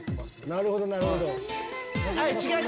なるほどなるほど。